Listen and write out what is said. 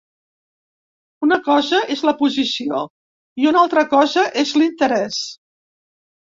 Una cosa és la posició i una altra cosa és l’interès.